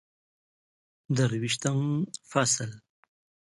درویشتم فصل